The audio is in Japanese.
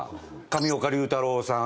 上岡龍太郎さん